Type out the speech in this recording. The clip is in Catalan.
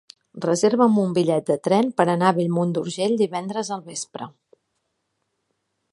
Reserva'm un bitllet de tren per anar a Bellmunt d'Urgell divendres al vespre.